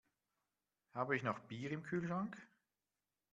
Habe ich noch Bier im Kühlschrank?